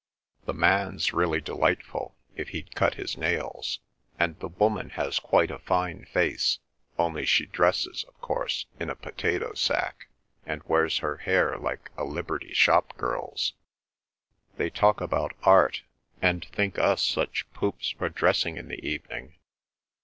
The man's really delightful (if he'd cut his nails), and the woman has quite a fine face, only she dresses, of course, in a potato sack, and wears her hair like a Liberty shopgirl's. They talk about art, and think us such poops for dressing in the evening.